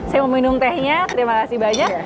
saya mau minum tehnya terima kasih banyak